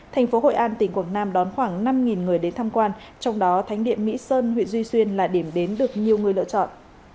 thành phố hội an tỉnh quảng nam đón khoảng năm người đến tham quan trong đó thánh địa mỹ sơn huyện duy xuyên là điểm đến được nhiều người lựa chọn